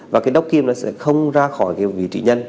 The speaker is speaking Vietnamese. và cái đốc kim nó sẽ không ra khỏi cái vị trị nhân